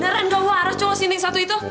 neren dong lu harus cunggu sindir satu itu